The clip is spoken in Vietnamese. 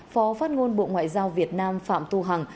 phó phát ngôn bộ ngoại giao việt nam phạm thu hằng